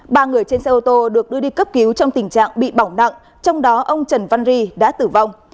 ba người trên xe ô tô được đưa đi cấp cứu trong tình trạng bị bỏng nặng trong đó ông trần văn ri đã tử vong